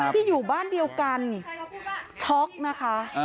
ที่อยู่บ้านเดียวกันช็อกนะคะ